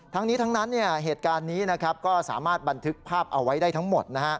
ทั้งนี้ทั้งนั้นเหตุการณ์นี้ก็สามารถบันทึกภาพเอาไว้ได้ทั้งหมด